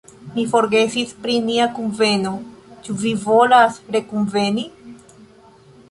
Mi forgesis pri nia kunveno, ĉu vi volas rekunveni?